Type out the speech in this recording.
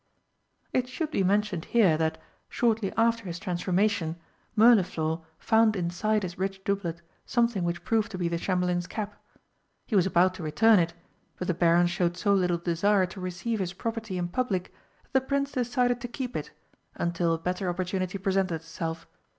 It should be mentioned here that, shortly after his transformation, Mirliflor found inside his rich doublet something which proved to be the Chamberlain's cap. He was about to return it, but the Baron showed so little desire to receive his property in public that the Prince decided to keep it until a better opportunity presented itself.